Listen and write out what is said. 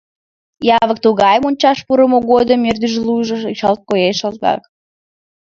Явык тугай — мончаш пурымо годым ӧрдыжлужо шалт коеш, калтак!